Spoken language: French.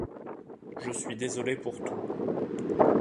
Je suis désolé pour tout.